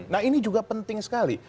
nah ini juga penting sekali